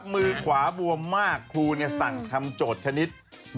มือขวาบวงมากครูนี่สั่งทำโจทย์ธนิด